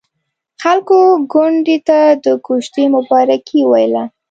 خلکو کونډې ته د کوژدې مبارکي ويله.